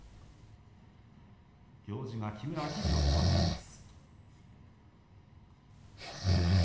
行司が木村秋治郎に替わっています。